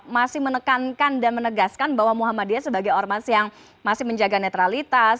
masih menekankan dan menegaskan bahwa muhammadiyah sebagai ormas yang masih menjaga netralitas